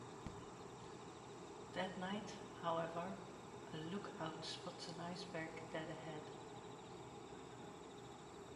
That night, however, a lookout spots an iceberg dead ahead.